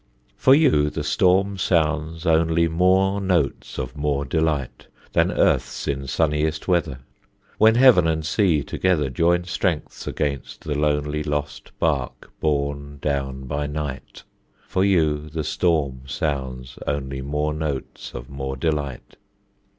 For you the storm sounds only More notes of more delight Than earth's in sunniest weather: When heaven and sea together Join strengths against the lonely Lost bark borne down by night, For you the storm sounds only More notes of more delight.